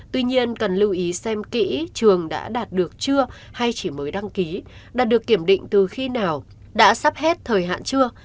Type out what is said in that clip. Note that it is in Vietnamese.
tuy nhiên cần lưu ý xem kỹ trường đã đạt được chưa hay chỉ mới đăng ký đạt được kiểm định từ khi nào đã sắp hết thời hạn chưa